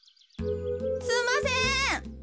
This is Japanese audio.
すんません。